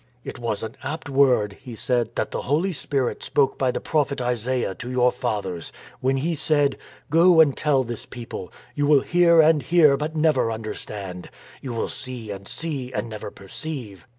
" It was an apt word," he said, " that the Holy Spirit spoke by the prophet Isaiah to your fathers, when he said: "' Go and tell this people, You will hear and hear but never understand, You will see and see and never perceive.